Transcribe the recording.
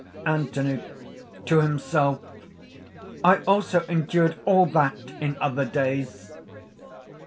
ANTHONY (to himself). "I also endured all that in other days!"